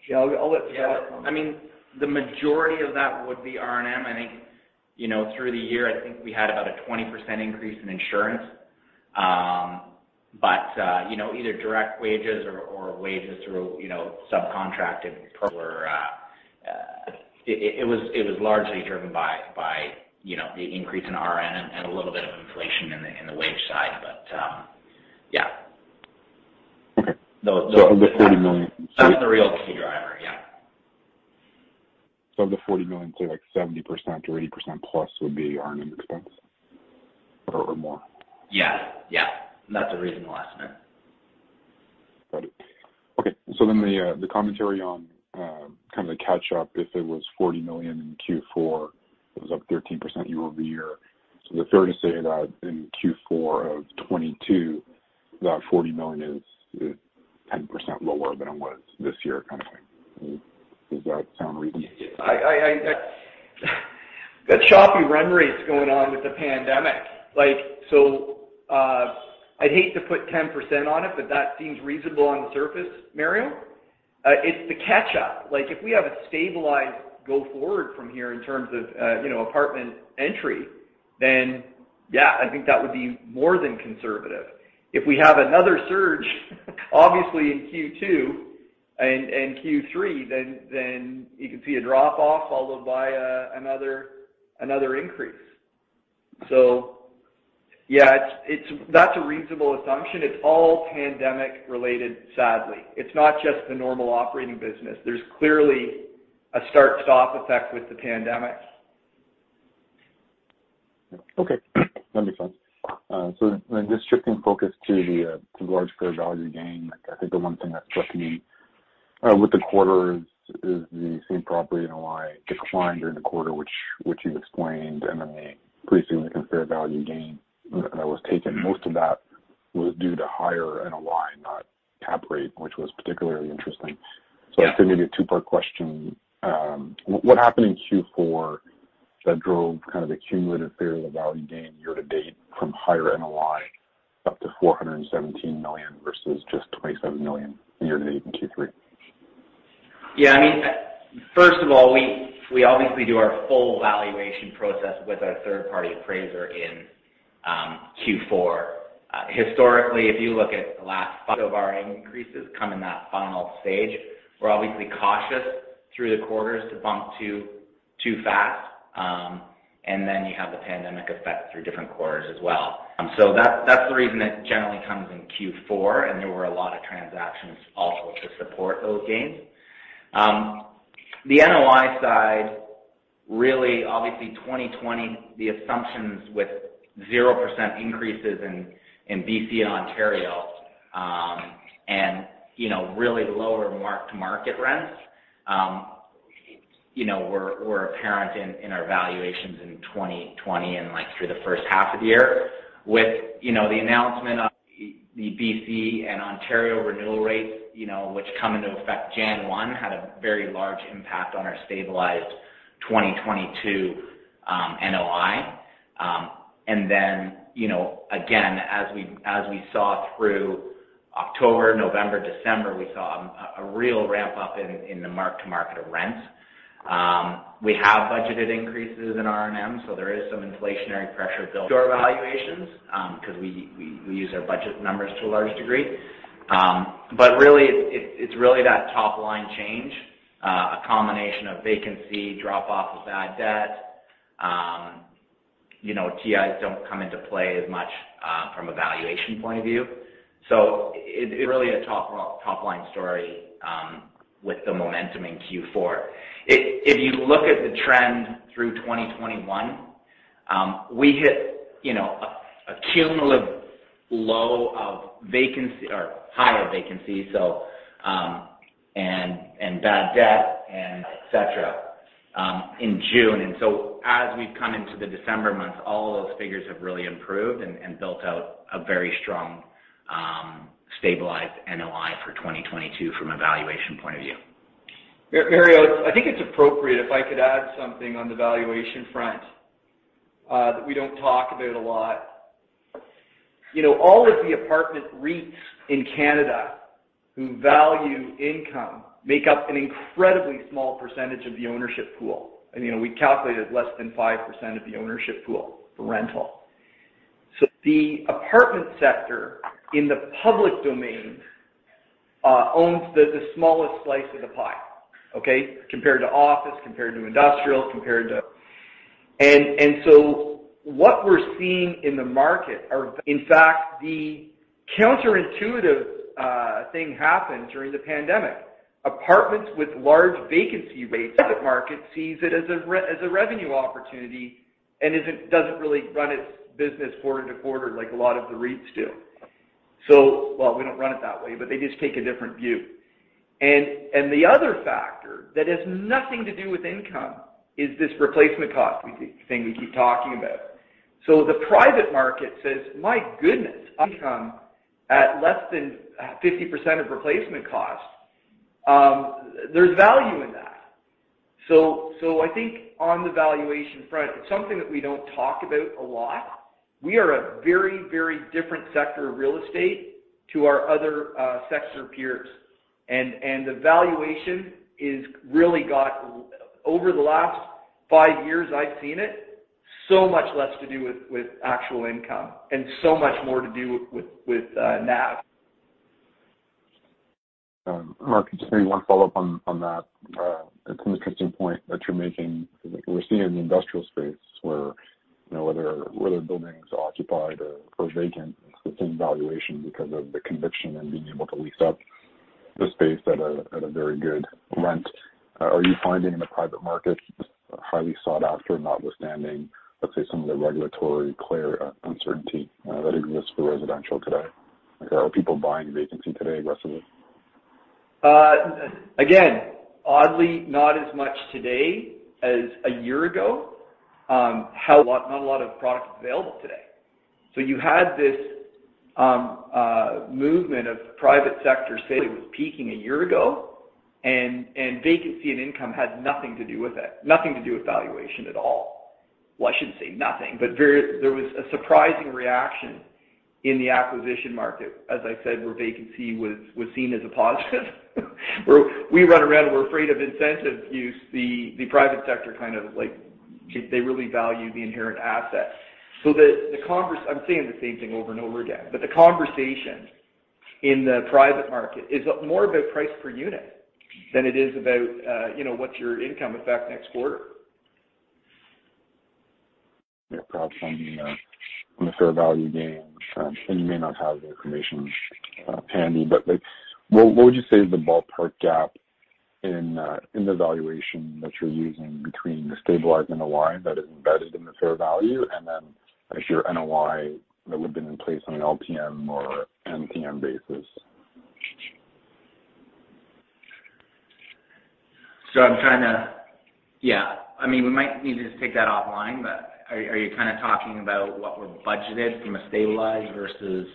Yeah, I'll let Tim. Yeah. I mean, the majority of that would be R&M. I think, you know, through the year, I think we had about a 20% increase in insurance, but you know, either direct wages or wages through subcontracted personnel, it was largely driven by the increase in R&M and a little bit of inflation in the wage side. Yeah. Of the 40 million- That was the real key driver, yeah. Of the 40 million, say like 70% or 80% plus would be R&M expense or more? Yeah. Yeah. That's a reasonable estimate. Got it. Okay. The commentary on kind of the catch up, if it was 40 million in Q4, it was up 13% year-over-year. Is it fair to say that in Q4 of 2022, that 40 million is 10% lower than it was this year kind of thing. Mm-hmm. Does that sound reasonable? That choppy run rate's going on with the pandemic. Like, I'd hate to put 10% on it, but that seems reasonable on the surface, Mario. It's the catch-up. Like, if we have a stabilized go forward from here in terms of, you know, apartment entry, then yeah, I think that would be more than conservative. If we have another surge, obviously, in Q2 and Q3, then you could see a drop-off followed by another increase. Yeah, that's a reasonable assumption. It's all pandemic related, sadly. It's not just the normal operating business. There's clearly a start-stop effect with the pandemic. Okay. That makes sense. Just shifting focus to the large fair value gain. I think the one thing that struck me with the quarter is the same property NOI declined during the quarter, which you've explained, and then the increase in the fair value gain that was taken. Most of that was due to higher NOI, not cap rate, which was particularly interesting. Yeah. I figured a two-part question. What happened in Q4 that drove kind of the cumulative fair value gain year to date from higher NOI up to 417 million versus just 27 million year to date in Q3? Yeah. I mean, first of all, we obviously do our full valuation process with our third-party appraiser in Q4. Historically, if you look at the bulk of our increases come in that final stage. We're obviously cautious through the quarters to bump too fast, and then you have the pandemic effect through different quarters as well. That's the reason it generally comes in Q4, and there were a lot of transactions also to support those gains. The NOI side, really, obviously, 2020, the assumptions with 0% increases in BC and Ontario, and, you know, really lower mark-to-market rents, you know, were apparent in our valuations in 2020 and, like, through the first half of the year. With you know the announcement of the BC and Ontario renewal rates you know which come into effect January 1, 2021 had a very large impact on our stabilized 2022 NOI. You know again as we saw through October November December we saw a real ramp-up in the mark-to-market of rents. We have budgeted increases in R&M so there is some inflationary pressure built into our valuations because we use our budget numbers to a large degree, but really it's really that top-line change a combination of vacancy drop off of bad debt. You know TIs don't come into play as much from a valuation point of view. It really a top-line story with the momentum in Q4. If you look at the trend through 2021, we hit, you know, a cumulative low of vacancy or higher vacancy, and bad debt and et cetera, in June. As we've come into the December months, all of those figures have really improved and built out a very strong stabilized NOI for 2022 from a valuation point of view. Mario, I think it's appropriate if I could add something on the valuation front that we don't talk about a lot. You know, all of the apartment REITs in Canada who value income make up an incredibly small percentage of the ownership pool. You know, we calculate it less than 5% of the ownership pool for rental. The apartment sector in the public domain owns the smallest slice of the pie, okay, compared to office, compared to industrial, compared to. What we're seeing in the market. In fact, the counterintuitive thing happened during the pandemic. Apartments with large vacancy rates, the market sees it as a revenue opportunity and doesn't really run its business quarter to quarter like a lot of the REITs do. Well, we don't run it that way, but they just take a different view. The other factor that has nothing to do with income is this replacement cost thing we keep talking about. The private market says, "My goodness, income at less than 50% of replacement costs, there's value in that." I think on the valuation front, it's something that we don't talk about a lot. We are a very, very different sector of real estate to our other sector peers. The valuation is really got, over the last five years I've seen it, so much less to do with actual income and so much more to do with NAV. Mark, just maybe one follow-up on that. It's an interesting point that you're making. We're seeing in the industrial space where, you know, whether a building is occupied or vacant, it's the same valuation because of the conviction in being able to lease up the space at a very good rent. Are you finding in the private market just highly sought after, notwithstanding, let's say, some of the regulatory clarity uncertainty that exists for residential today? Are people buying vacancy today aggressively? Again, oddly not as much today as a year ago, not a lot of product available today. You had this movement in the private sector saying it was peaking a year ago, and vacancy and income had nothing to do with it, nothing to do with valuation at all. Well, I shouldn't say nothing, but there was a surprising reaction in the acquisition market, as I said, where vacancy was seen as a positive. Whereas we run around and we're afraid of incentive use, the private sector kind of like they really value the inherent asset. I'm saying the same thing over and over again, but the conversation in the private market is more about price per unit than it is about, you know, what's your income effect next quarter. Yeah. Probably from the fair value gain. You may not have the information handy, but like what would you say is the ballpark gap in the valuation that you're using between the stabilized NOI that is embedded in the fair value and then like your NOI that would have been in place on an LTM or NTM basis? I mean, we might need to just take that offline, but are you kind of talking about what we're budgeted from a stabilized versus-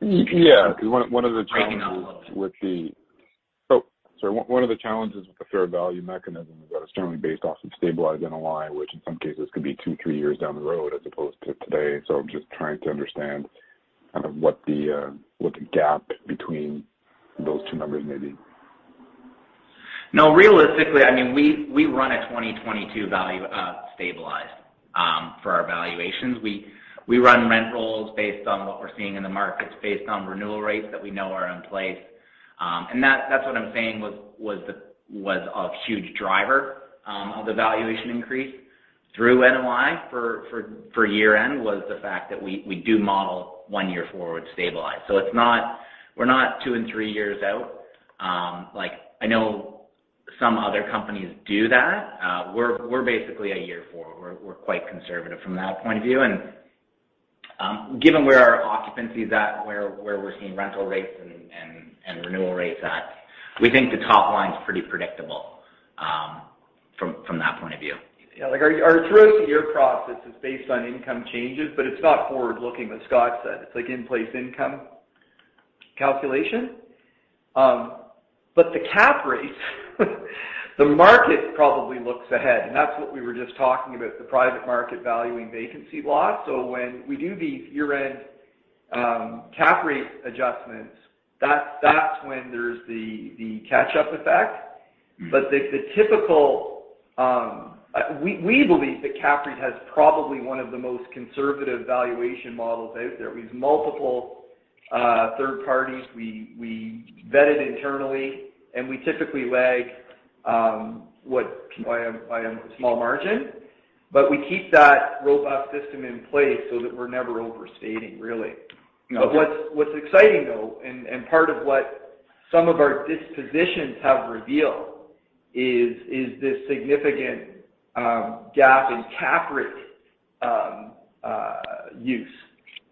Yeah. Because one of the challenges with the Breaking it all a little bit. Oh, sorry. One of the challenges with the fair value mechanism is that it's generally based off some stabilized NOI, which in some cases could be 2-3 years down the road as opposed to today. I'm just trying to understand kind of what the gap between those two numbers may be. No, realistically, I mean, we run a 2022 value, stabilized, for our valuations. We run rent rolls based on what we're seeing in the markets, based on renewal rates that we know are in place. That's what I'm saying was a huge driver of the valuation increase through NOI for year-end, was the fact that we do model one year forward stabilized. So it's not. We're not two and three years out. Like I know some other companies do that. We're basically a year forward. We're quite conservative from that point of view. Given where our occupancy is at, where we're seeing rental rates and renewal rates at, we think the top line is pretty predictable from that point of view. Yeah. Like our through the year process is based on income changes, but it's not forward-looking, as Scott said. It's like in-place income calculation. The cap rate, the market probably looks ahead, and that's what we were just talking about, the private market valuing vacancy loss. When we do these year-end cap rate adjustments, that's when there's the catch-up effect. The typical, we believe that cap rate has probably one of the most conservative valuation models out there. We use multiple third parties. We vet it internally, and we typically lag what NOI by a small margin. We keep that robust system in place so that we're never overstating really. Okay. What's exciting though, and part of what some of our dispositions have revealed is this significant gap in cap rate use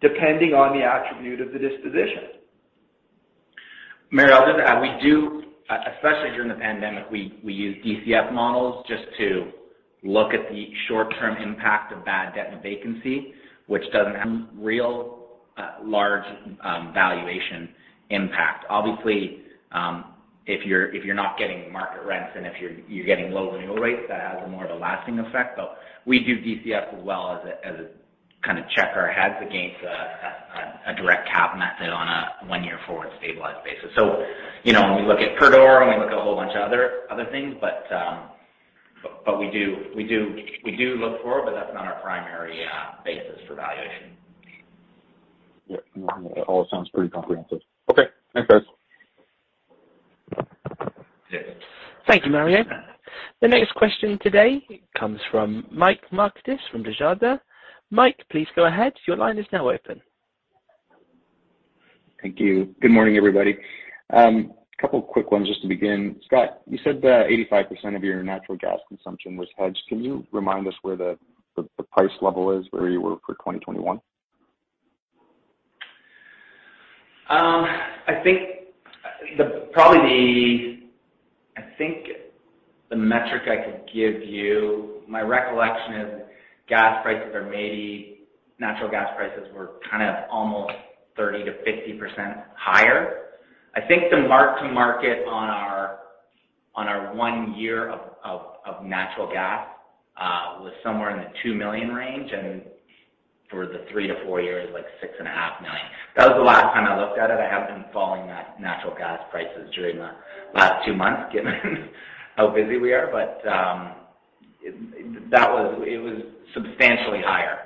depending on the attribute of the disposition. Mario, I'll just add, we do especially during the pandemic, we use DCF models just to look at the short-term impact of bad debt and vacancy, which doesn't have real large valuation impact. Obviously, if you're not getting market rents and if you're getting low renewal rates, that has more of a lasting effect. We do DCF as well as a kind of check our heads against a direct cap method on a one-year forward stabilized basis. You know, when we look at per door, and we look at a whole bunch of other things. We do look forward, but that's not our primary basis for valuation. Yeah. No, it all sounds pretty comprehensive. Okay. Thanks, guys. Yeah. Thank you, Mario. The next question today comes from Mike Markidis from Desjardins. Mike, please go ahead. Your line is now open. Thank you. Good morning, everybody. A couple quick ones just to begin. Scott, you said that 85% of your natural gas consumption was hedged. Can you remind us where the price level is, where you were for 2021? I think the metric I could give you. My recollection is Natural gas prices were kind of almost 30%-50% higher. I think the mark-to-market on our one year of natural gas was somewhere in the 2 million range, and for the three-four years, like 6.5 million. That was the last time I looked at it. I haven't been following natural gas prices during the last two months, given how busy we are. It was substantially higher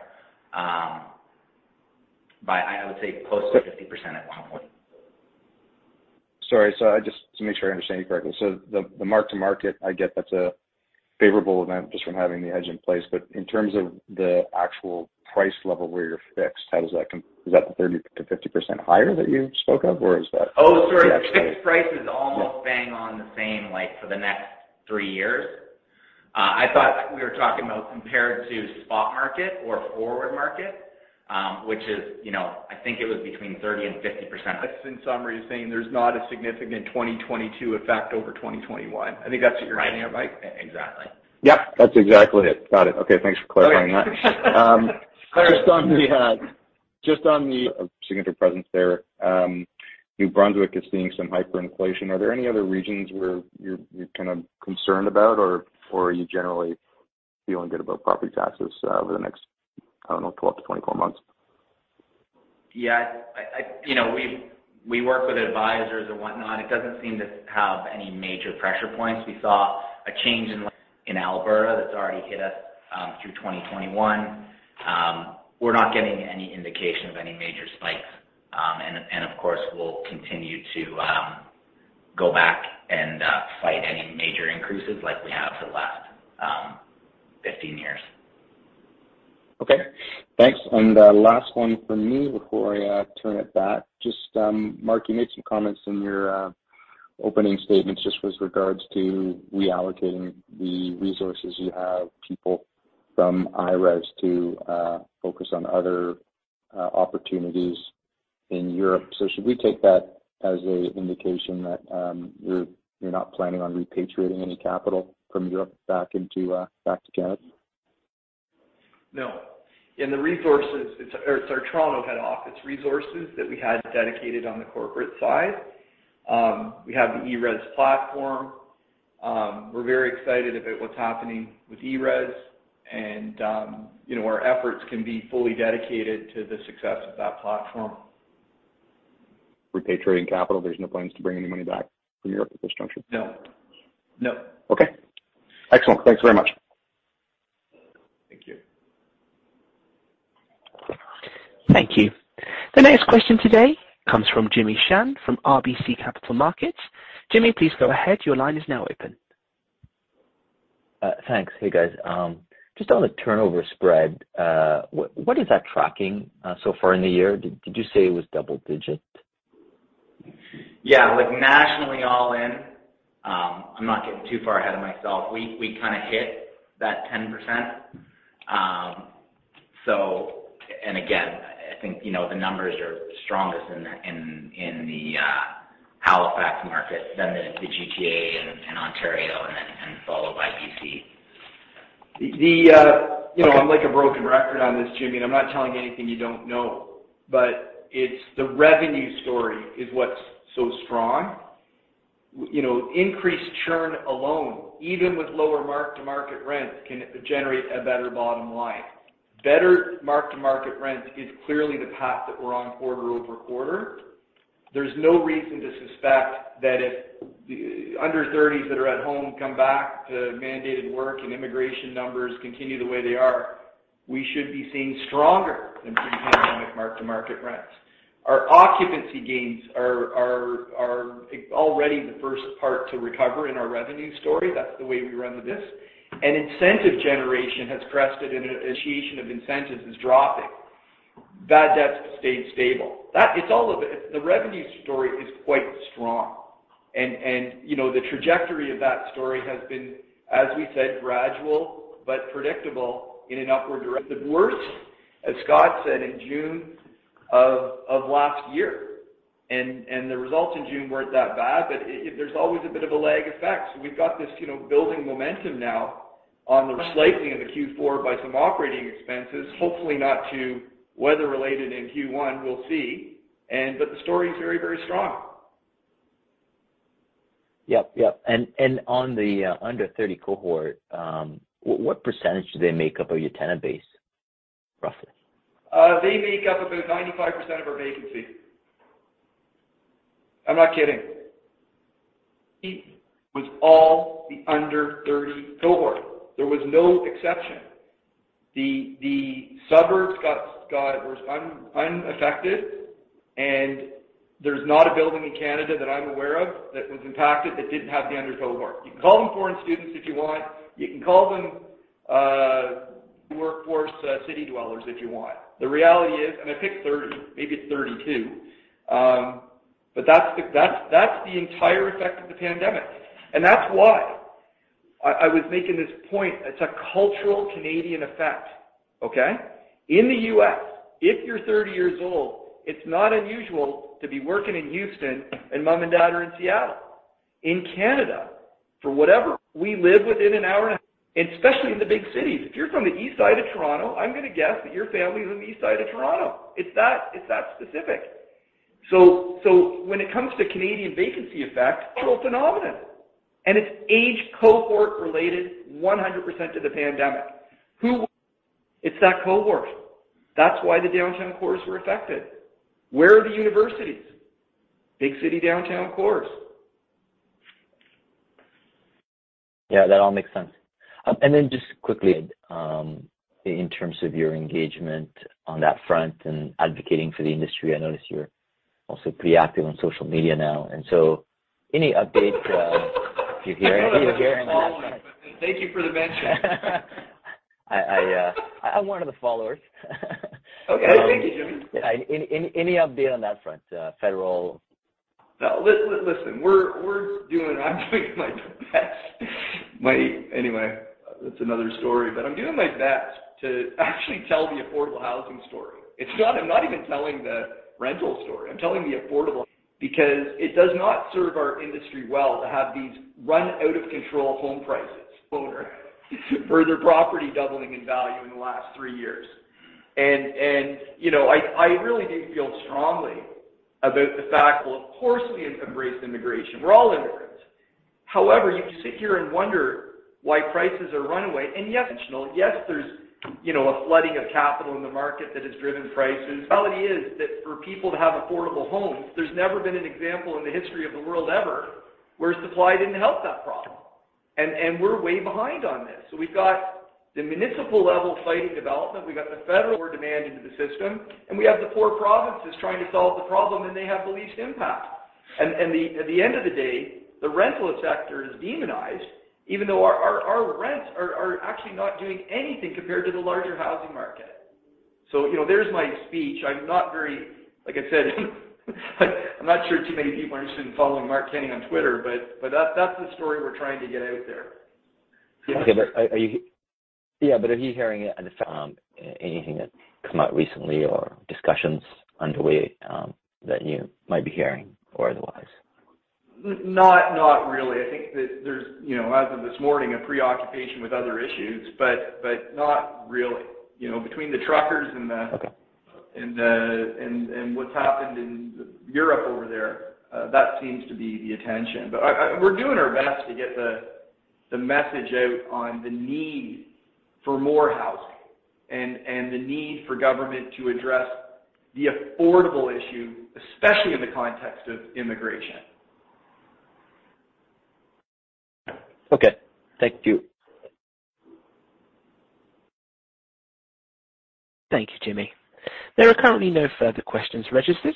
by, I would say, close to 50% at one point. Sorry. To make sure I understand you correctly. The mark-to-market, I get that's a favorable event just from having the hedge in place. In terms of the actual price level where you're fixed, is that the 30%-50% higher that you spoke of, or is that- Oh, sorry. Yeah. Sorry. The fixed price is almost bang on the same, like, for the next three years. I thought we were talking about, compared to spot market or forward market, which is, you know, I think it was between 30% and 50%. That's in summary saying there's not a significant 2022 effect over 2021. I think that's what you're getting at, right? Right. Exactly. Yep. That's exactly it. Got it. Okay, thanks for clarifying that. Okay. Just on a significant presence there, New Brunswick is seeing some hyperinflation. Are there any other regions where you're kind of concerned about, or are you generally feeling good about property taxes over the next, I don't know, 12-24 months? Yeah. You know, we work with advisors and whatnot. It doesn't seem to have any major pressure points. We saw a change in Alberta that's already hit us through 2021. We're not getting any indication of any major spikes. Of course, we'll continue to go back and fight any major increases like we have for the last 15 years. Okay. Thanks. Last one from me before I turn it back. Just Mark, you made some comments in your opening statements just with regards to reallocating the resources you have, people from IRES to focus on other opportunities in Europe. Should we take that as an indication that you're not planning on repatriating any capital from Europe back to Canada? No. In the resources, or it's our Toronto head office resources that we had dedicated on the corporate side. We have the ERES platform. We're very excited about what's happening with ERES and, you know, our efforts can be fully dedicated to the success of that platform. Repatriating capital, there's no plans to bring any money back from Europe at this juncture? No. Okay. Excellent. Thanks very much. Thank you. Thank you. The next question today comes from Jimmy Shan from RBC Capital Markets. Jimmy, please go ahead. Your line is now open. Thanks. Hey, guys. Just on the turnover spread, what is that tracking so far in the year? Did you say it was double digit? Yeah. Like, nationally all in, I'm not getting too far ahead of myself. We kinda hit that 10%. Again, I think, you know, the numbers are strongest in the Halifax market then the GTA and Ontario and followed by BC. You know, I'm like a broken record on this, Jimmy, and I'm not telling you anything you don't know, but it's the revenue story is what's so strong. You know, increased churn alone, even with lower mark-to-market rents, can generate a better bottom line. Better mark-to-market rent is clearly the path that we're on quarter-over-quarter. There's no reason to suspect that if the under thirties that are at home come back to mandated work and immigration numbers continue the way they are, we should be seeing stronger than pre-pandemic mark-to-market rents. Our occupancy gains are already the first part to recover in our revenue story. That's the way we run the biz. Incentive generation has crested, and initiation of incentives is dropping. Bad debts have stayed stable. It's all of it. The revenue story is quite strong. You know, the trajectory of that story has been, as we said, gradual but predictable in an upward direction. As Scott said in June of last year, and the results in June weren't that bad, but there's always a bit of a lag effect. We've got this, you know, building momentum now on the beating of the Q4 by some operating expenses, hopefully not too weather-related in Q1, we'll see. The story is very, very strong. Yep. Yep. On the under-30 cohort, what percentage do they make up of your tenant base, roughly? They make up about 95% of our vacancy. I'm not kidding. It was all the under-30 cohort. There was no exception. The suburbs, Scott, was unaffected, and there's not a building in Canada that I'm aware of that was impacted that didn't have the under cohort. You can call them foreign students if you want. You can call them workforce city dwellers if you want. The reality is, I picked 30, maybe it's 32, but that's the entire effect of the pandemic. That's why I was making this point, it's a cultural Canadian effect, okay? In the U.S., if you're 30 years old, it's not unusual to be working in Houston and mom and dad are in Seattle. In Canada, for whatever, we live within an hour especially in the big cities. If you're from the east side of Toronto, I'm gonna guess that your family is on the east side of Toronto. It's that specific. When it comes to Canadian vacancy effect, cultural phenomenon. It's age cohort related 100% to the pandemic. It's that cohort. That's why the downtown cores were affected. Where are the universities? Big city downtown cores. Yeah, that all makes sense. Just quickly, in terms of your engagement on that front and advocating for the industry, I noticed you're also pretty active on social media now. Any updates, if you're hearing Thank you for the mention. I'm one of the followers. Okay. Thank you, Jimmy. Any update on that front, federal? No. Listen, I'm doing my best. Anyway, that's another story. I'm doing my best to actually tell the affordable housing story. I'm not even telling the rental story. I'm telling the affordable because it does not serve our industry well to have these runaway home prices, owners of their property doubling in value in the last three years. You know, I really do feel strongly about the fact, well, of course, we embrace immigration. We're all immigrants. However, you can sit here and wonder why prices are runaway and yes, there's, you know, a flooding of capital in the market that has driven prices. Reality is that for people to have affordable homes, there's never been an example in the history of the world ever where supply didn't help that problem. We're way behind on this. We've got the municipal level fighting development. We've got the federal demand into the system, and we have the poor provinces trying to solve the problem, and they have the least impact. At the end of the day, the rental sector is demonized even though our rents are actually not doing anything compared to the larger housing market. You know, there's my speech. Like I said, I'm not sure too many people are interested in following Mark Kenney on Twitter, but that's the story we're trying to get out there. Okay. Yeah, but are you hearing it on the phone anything that come out recently or discussions underway, that you might be hearing or otherwise? Not really. I think that there's, you know, as of this morning, a preoccupation with other issues, but not really. You know, between the truckers and the- Okay. What's happened in Europe over there, that seems to be the attraction. We're doing our best to get the message out on the need for more housing and the need for government to address the affordability issue, especially in the context of immigration. Okay. Thank you. Thank you, Jimmy. There are currently no further questions registered,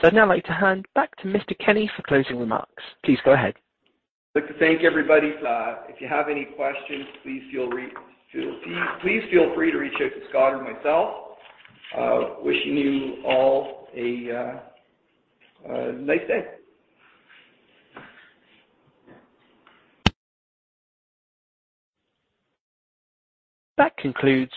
so I'd now like to hand back to Mr. Kenney for closing remarks. Please go ahead. I'd like to thank everybody. If you have any questions, please feel free to reach out to Scott or myself. Wishing you all a nice day. That concludes.